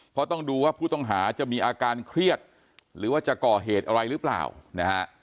เพราะต้องดูว่าผู้ต้องหาจะมีอาการเครียดหรือว่าจะก่อเหตุอะไรหรือเปล่านะฮะ